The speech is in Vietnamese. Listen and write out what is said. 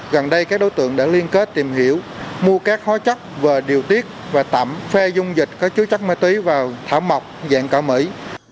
gần đây các đối tượng đã liên kết tìm hiểu mua các hóa chất và điều tiết và tẩm phê dung dịch có chứa chất ma túy vào thảo mọc dạng cỏ mỹ